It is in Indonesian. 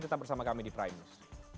tetap bersama kami di prime news